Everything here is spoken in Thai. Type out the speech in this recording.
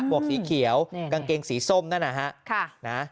วกสีเขียวกางเกงสีส้มนั่นนะฮะ